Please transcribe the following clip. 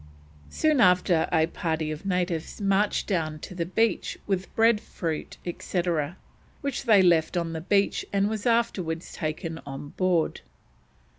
Soon after a party of natives marched down to the beach with bread fruit, etc., which they left on the beach and was afterwards taken on board.